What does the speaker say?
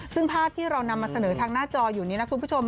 ซึ่งภาพที่เรานำมาเสนอทางหน้าจออยู่นี้นะคุณผู้ชม